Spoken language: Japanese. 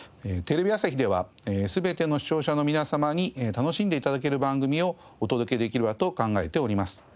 テレビ朝日では全ての視聴者の皆様に楽しんで頂ける番組をお届けできればと考えております。